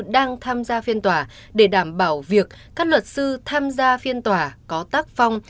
đang tham gia phiên tòa để đảm bảo việc các luật sư tham gia phiên tòa có tác phong